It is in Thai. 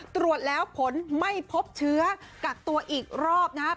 ตรวจแล้วผลไม่พบเชื้อกักตัวอีกรอบนะครับ